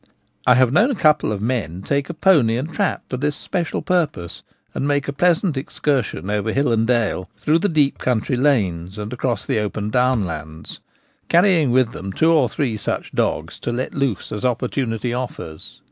I have known a couple of men take a pony and trap for this special purpose, and make a pleasant 158 The Gamekeeper at Home. excursion over hill and dale, through the deep coun try lanes, and across the open down land, carrying with them two or three such dogs to let loose as opportunity offers.